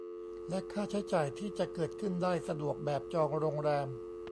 และค่าใช้จ่ายที่จะเกิดขึ้นได้สะดวกแบบจองโรงแรม